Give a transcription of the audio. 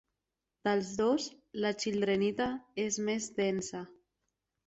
Dels dos, la childrenita és més densa.